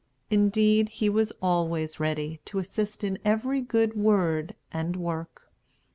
Indeed, he was always ready to assist in every good word and work.